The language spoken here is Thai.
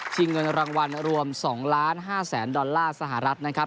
ที่เงินรางวัลรวมสองล้านห้าแสนดอลลาร์สหรัฐนะครับ